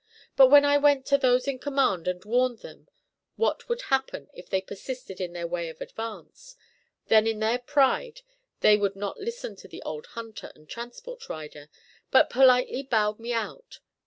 But when I went to those in command and warned them what would happen if they persisted in their way of advance, then in their pride they would not listen to the old hunter and transport rider, but politely bowed me out.